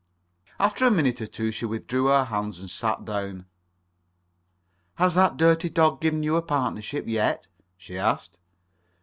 After a minute or two she withdrew her hands and sat down. "Has that dirty dog given you a partnership yet?" she asked.